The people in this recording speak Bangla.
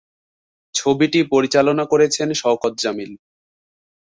ছবিটি পরিচালনা করেছেন শওকত জামিল।